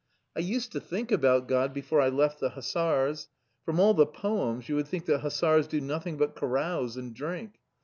I used to think about God before I left the hussars. From all the poems you would think that hussars do nothing but carouse and drink.